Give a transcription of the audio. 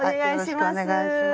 よろしくお願いします。